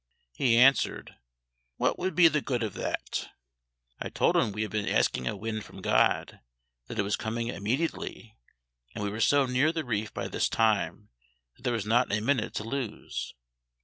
He answered, "What would be the good of that?" I told him we had been asking a wind from GOD, that it was coming immediately, and we were so near the reef by this time that there was not a minute to lose.